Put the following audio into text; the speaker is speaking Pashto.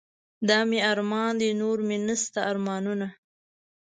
دا مې ارمان دے نور مې نشته ارمانونه